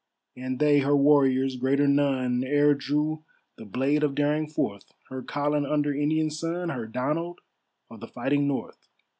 And they, her warriors, greater none E'er drew the blade of daring forth, Her Colin under Indian sun, Her Donald of the fighting North.